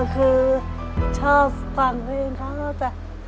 ก็คือชอบฟังเพลงครับ